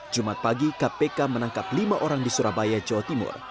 jumat pagi kpk menangkap lima orang di surabaya jawa timur